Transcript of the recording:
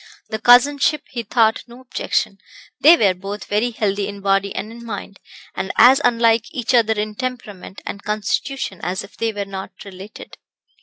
The cousinship he thought no objection; they were both very healthy in body and in mind, and as unlike each other in temperament and constitution as if they were not related.